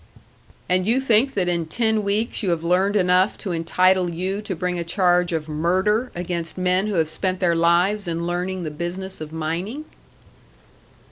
"And you think that in ten weeks you have learned enough to entitle you to bring a charge of 'murder' against men who have spent their lives in learning the business of mining?"